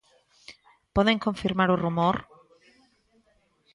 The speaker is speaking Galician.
Poden confirmar o rumor?